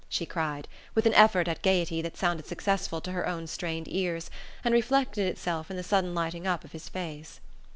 she cried, with an effort at gaiety that sounded successful to her own strained ears, and reflected itself in the sudden lighting up of his face.